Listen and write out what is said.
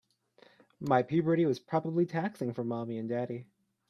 My puberty was probably taxing for mommy and daddy.